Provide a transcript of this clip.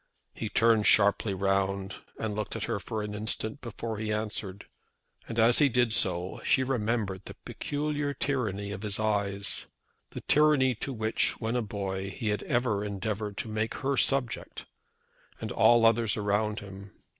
He turned sharply round and looked at her for an instant before he answered. And as he did so she remembered the peculiar tyranny of his eyes, the tyranny to which, when a boy, he had ever endeavoured to make her subject, and all others around him.